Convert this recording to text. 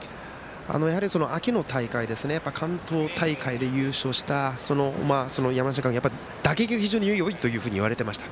やっぱり秋の大会関東大会で優勝した山梨学院打撃が非常によいといわれていました。